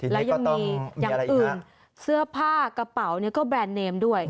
แล้วยังมีอย่างอื่นเสื้อผ้ากระเป๋าก็แบรนด์เนมด้วย